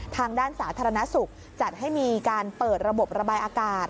ทางด้านสาธารณสุขจัดให้มีการเปิดระบบระบายอากาศ